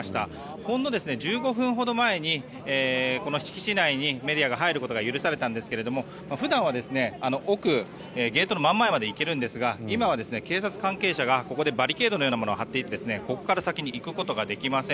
ほんの１５分ほど前にこの敷地内にメディアが入ることが許されたんですが普段はあの奥ゲートの真ん前まで行けるんですが今は警察関係者がここでバリケードのようなものを張っていてここから先に行くことができません。